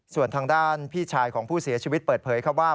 ส่วนทางด้านพี่ชายของผู้เสียชีวิตเปิดเผยครับว่า